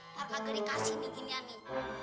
ntar kagak dikasih beginian nih